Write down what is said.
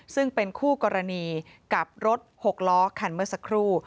ซึ่งเป็นคู่กรณีกับรถหกล้อคันเมื่อสักครู่